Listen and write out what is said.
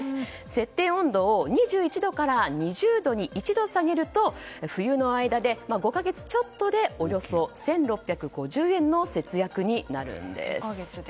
設定温度を２１度から２０度に１度下げると冬の間で５か月ちょっとでおよそ１６５０円の節約になるんです。